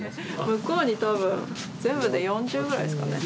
向こうに多分全部で４０ぐらいですかね。